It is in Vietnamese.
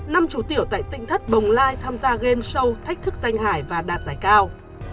năm hai nghìn một mươi tám năm chú tiểu tại tỉnh thất bồng lai tham gia game show thách thức danh hải và đạt giải cao